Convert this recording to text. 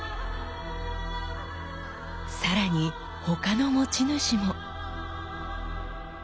更に他の持ち主も。